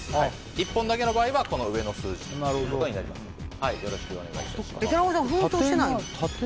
１本だけの場合は上の数字となりますので。